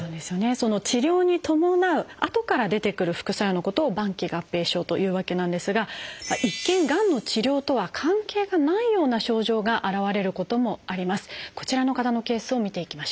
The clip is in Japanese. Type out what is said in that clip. その治療に伴うあとから出てくる副作用のことを晩期合併症というわけなんですが一見がんの治療とは関係がないような症状が現れることもあります。